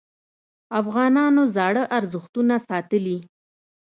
افغانانو زاړه ارزښتونه ساتلي.